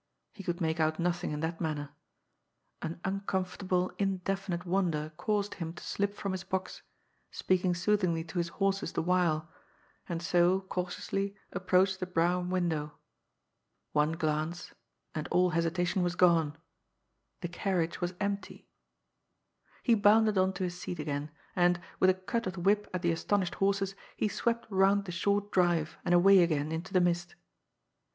He could make out nothing in that manner. An uncomfortable, in definite wonder caused him to slip from his box, speaking soothingly to his horses the while, and so cautiously ap proach the brougham window. One glance, and all hesi tation was gone — the carriage was empty. He bounded on to his seat again, and, with a cut of the whip at the astonished horses, he swept round the short drive, and away again into the mist.